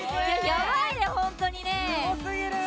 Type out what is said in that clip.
やばいよ、本当にね。